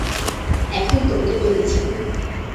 এখন তোমাকে পেয়ে গেছি আমি।